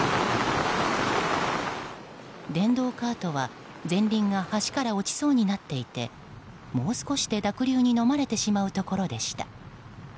電動カートは前輪が橋から落ちそうになっていてもう少しで濁流にのまれてしまうところでした。